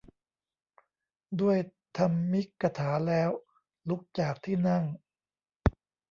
ด้วยธรรมีกถาแล้ว ลุกจากที่นั่ง